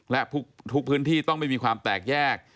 และทุกพื้นที่ต้องไม่มีความแตกแยก